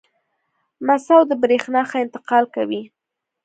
مسو د برېښنا ښه انتقال کوي.